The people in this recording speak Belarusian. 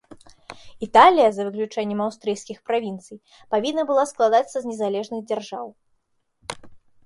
Італія, за выключэннем аўстрыйскіх правінцый, павінна была складацца з незалежных дзяржаў.